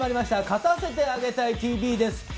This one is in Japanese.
『勝たせてあげたいＴＶ』です。